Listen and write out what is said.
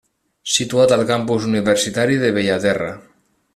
Situat al campus universitari de Bellaterra.